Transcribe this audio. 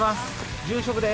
住職です。